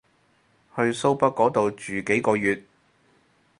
去蘇北嗰度住幾個月